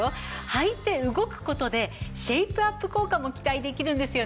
はいて動く事でシェイプアップ効果も期待できるんですよね。